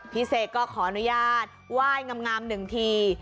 พี่เศกก็ขออนุญาตว่ายงามหนึ่งที